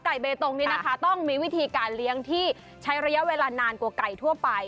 เบตงนี่นะคะต้องมีวิธีการเลี้ยงที่ใช้ระยะเวลานานกว่าไก่ทั่วไป